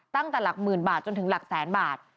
ตั้งแต่หลักหมื่นบาทจนถึงหลักแสนบาท